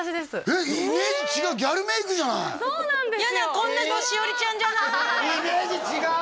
こんなの栞里ちゃんじゃないイメージ違う！